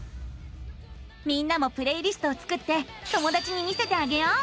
みんなもプレイリストを作って友だちに見せてあげよう。